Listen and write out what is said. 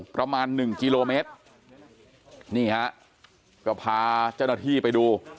ประมาณหนึ่งกิโลเมตรนี่ฮะก็พาเจ้าหน้าที่ไปดู